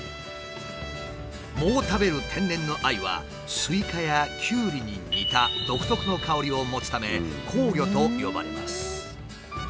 藻を食べる天然のアユはスイカやキュウリに似た独特の香りを持つため「香魚」と呼ばれます。